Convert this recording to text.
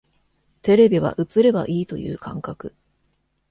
テレビは映ればいいという感覚